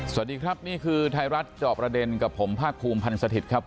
สวัสดีครับนี่คือไทยรัฐจอบประเด็นกับผมภาคภูมิพันธ์สถิตย์ครับ